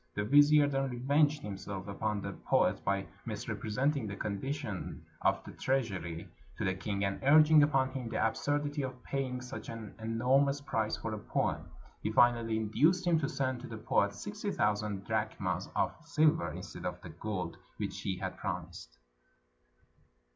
The vizier then revenged himself upon the poet by misrepresenting the condition of the treasury to the king, and urging upon him the absurdity of pay ing such an enormous price for a poem, he finally in duced him to send to the poet sixty thousand drachms of silver instead of the gold which he had promised.